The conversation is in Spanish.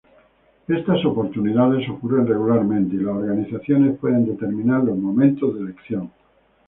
Estas oportunidades ocurren regularmente y las organizaciones pueden determinar los momentos de elección.